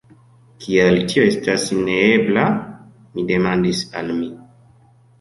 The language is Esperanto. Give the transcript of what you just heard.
"Kial tio estas neebla?" mi demandis al mi.